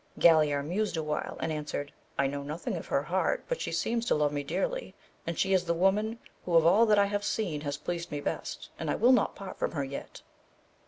Galaor mused awhile and an swered, I know nothing of her heart, but she seems to love me dearly, and she is the woman who of all that I have seen has pleased me best, and I will not part from her yet.